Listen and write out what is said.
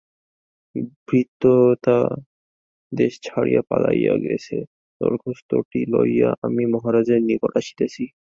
ভৃত্যটা দেশ ছাড়িয়া পলাইয়া গেছে, দরখাস্তটি লইয়া আমি মহারাজের নিকট আসিতেছি।